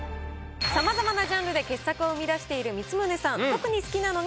さまざまなジャンルで傑作を生み出している光宗さん。